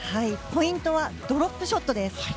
ポイントはドロップショットです。